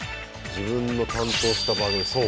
自分の担当した番組。